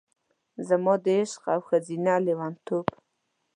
زما د عشق او ښځینه لیونتوب،